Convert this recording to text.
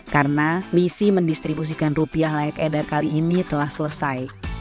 karena misi mendistribusikan rupiah layak edar kali ini telah selesai